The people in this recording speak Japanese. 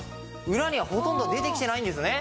裏にはほとんど出てきてないんですね。